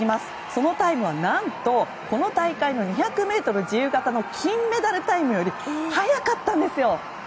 そのタイムは何とこの大会の２００ｍ自由形の金メダルタイムより速かったんですよ！